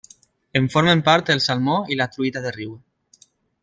En formen part el salmó i la truita de riu.